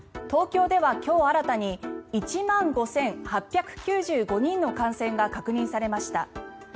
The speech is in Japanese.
東京では今日新たに１万５８９５人の感染が確認されました。